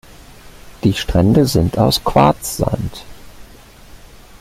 Die Strände sind aus Quarzsand.